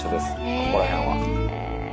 ここら辺は。